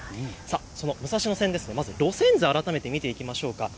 その武蔵野線ですが路線図、改めて見ていきましょう。